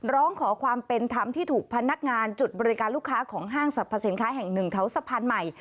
ร้องขอความเป็นธรรมที่ถูกพนักงานจุดบริการลูกค้าของห้างสรรพสินค้าแห่งหนึ่งแถวสะพานใหม่